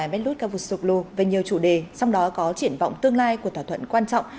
medlut cavusoglu về nhiều chủ đề trong đó có triển vọng tương lai của thỏa thuận quan trọng